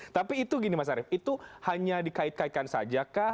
tapi itu gini mas arief itu hanya dikait kaitkan saja kah